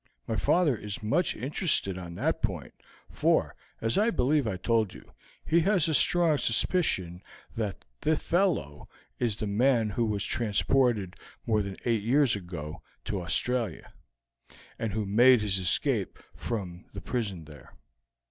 My father is much interested on that point, for, as I believe I told you, he has a strong suspicion that the fellow is the man who was transported more than eight years ago to Australia, and who made his escape from the prison there."